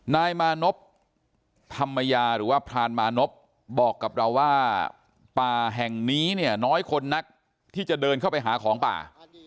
นายมานพธรรมยาหรือว่าพรานมานพบอกกับเราว่าป่าแห่งนี้เนี่ยน้อยคนนักที่จะเดินเข้าไปหาของป่า